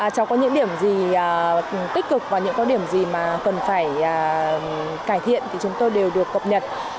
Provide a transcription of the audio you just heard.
cháu có những điểm gì tích cực và những có điểm gì mà cần phải cải thiện thì chúng tôi đều được cập nhật